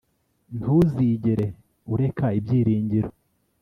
Ntuzigere ureka ibyiringiro